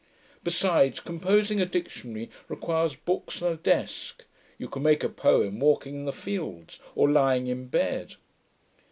Besides; composing a dictionary requires books and a desk: you can make a poem walking in the fields, or lying in bed.'